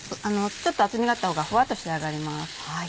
ちょっと厚みがあった方がふわっと仕上がります。